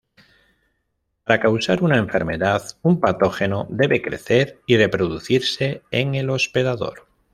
Para causar una enfermedad un patógeno debe crecer y reproducirse en el hospedador.